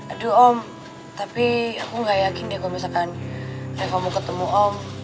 aduh om tapi aku gak yakin deh kalo misalkan reva mau ketemu om